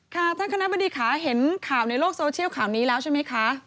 ท่านคณะบดีค่ะเห็นข่าวในโลกโซเชียลข่าวนี้แล้วใช่ไหมคะ